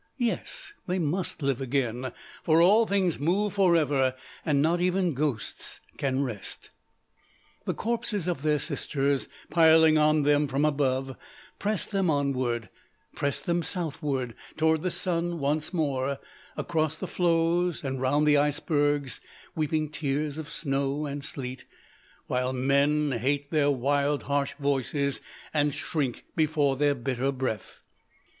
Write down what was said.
Yes; they must live again. For all things move forever: and not even ghosts can rest. "The corpses of their sisters piling on them from above, press them onward, press them southward toward the sun once more, across the floes, and round the icebergs weeping tears of snow and sleet while men hate their wild, harsh voices, and shrink before their bitter breath.